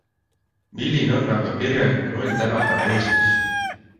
Milline on aga kirjaniku roll tänapäeva Eestis?